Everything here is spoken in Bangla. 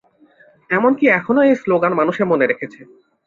এমনকি এখনও এই স্লোগান মানুষে মনে রেখেছে।